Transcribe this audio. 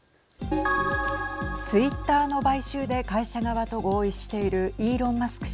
ツイッターの買収で会社側と合意しているイーロン・マスク